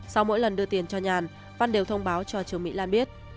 sau mỗi lần đưa tiền cho nhàn văn đều thông báo cho trương mỹ lan biết